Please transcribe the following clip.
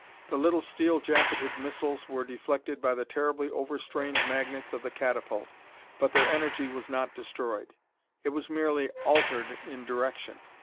The little steel jacketed missiles were deflected by the terribly overstrained magnets of the catapult, but their energy was not destroyed. It was merely altered in direction.